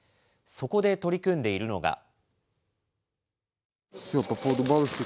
そこで取り組んでいるのが。